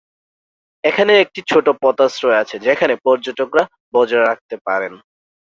এখানে একটি ছোট পোতাশ্রয় আছে যেখানে পর্যটকরা বজরা রাখতে পারেন।